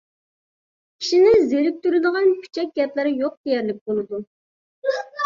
كىشىنى زېرىكتۈرىدىغان پۈچەك گەپلەر يوق دېيەرلىك بولىدۇ.